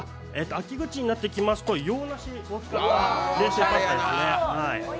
秋口になってきますと洋梨を使った冷製パスタですね。